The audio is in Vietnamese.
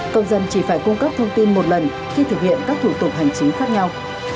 công dân chỉ phải cung cấp thông tin một lần khi thực hiện các thủ tục hành chính khác nhau